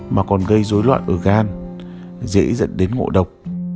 mà còn gây dối loạn ở gan dễ dẫn đến ngộ độc